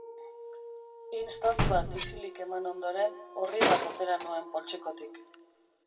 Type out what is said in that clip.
Istant bat isilik eman ondoren, orri bat atera nuen poltsikotik.